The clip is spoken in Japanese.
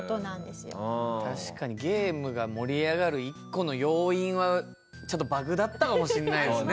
確かにゲームが盛り上がる一個の要因はバグだったかもしれないですね。